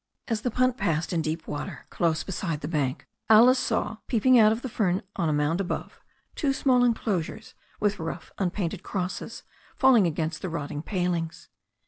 As the punt passed in deep water close beside the bank Alice saw peeping out of the fern on a mound above two small enclosures with rough unpainted crosses falling against the rotting palings.